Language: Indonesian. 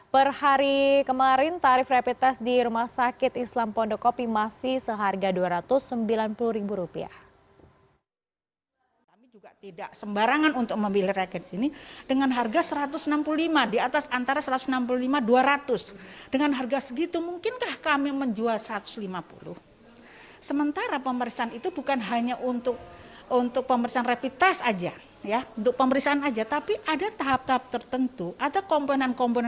per hari kemarin tarif rapid test di rumah sakit islam pondokopi masih seharian